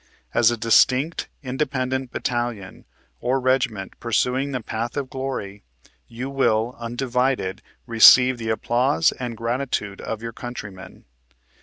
As a distinct, inde pendent battalion or regiment, pursuing the path of glory, you will, undivided, receive the applause and gratitude of your countrymen.